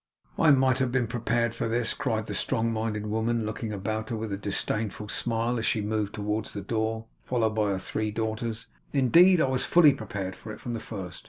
'I might have been prepared for this!' cried the strong minded woman, looking about her with a disdainful smile as she moved towards the door, followed by her three daughters. 'Indeed I was fully prepared for it from the first.